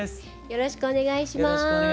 よろしくお願いします。